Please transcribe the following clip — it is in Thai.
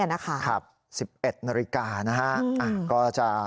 ๑๑นาฬิกาก็จะ